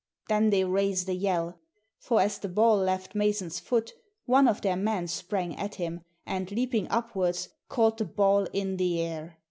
Then they raised a yell; for as the ball left Mason's foot one of their men sprang at him, and, leaping upwards, caught the ball in the air.